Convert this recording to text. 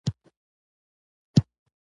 تر ټولو پخوانی کتاب د سلیمان ماکو دی.